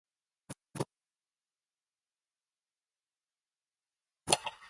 Hulltown and Raineytown are unincorporated communities in the township.